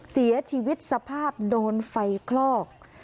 เสียชีวิตสภาพโดนไฟคลอก